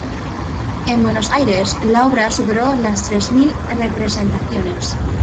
En Buenos Aires, la obra superó las tres mil representaciones.